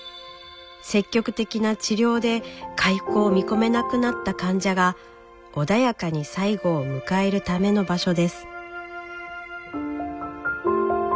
積極的な治療で回復を見込めなくなった患者が穏やかに最期を迎えるための場所です。